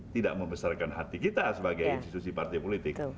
tidak membesarkan hati kita sebagai institusi partai politik